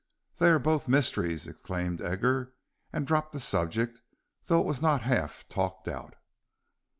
"They are both mysteries," exclaimed Edgar, and dropped the subject, though it was not half talked out.